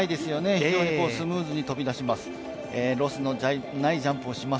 非常にスムーズに飛び出します。